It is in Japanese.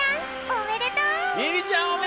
おめでとう！